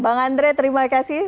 bang andre terima kasih